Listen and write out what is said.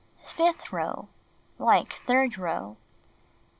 Fifth row: Like third row.